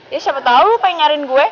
ya siapa tau pengen nyari gue